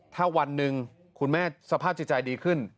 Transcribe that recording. ถ้าวันหนึ่งคุณแม่สภาพจิตใจดีขึ้น